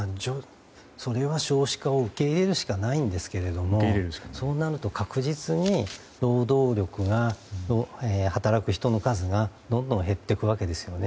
それは少子化を受け入れるしかないんですけどそうなると確実に労働力、働く人の数がどんどん減っていくわけですよね。